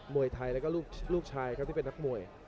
วยไทยแล้วก็ลูกชายครับที่เป็นนักมวย